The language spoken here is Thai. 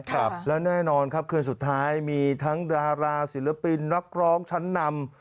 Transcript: ครับแล้วแน่นอนครับคืนสุดท้ายมีทั้งดาราศิลปินนักร้องชั้นนำ